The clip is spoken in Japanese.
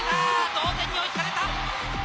同点に追いつかれた。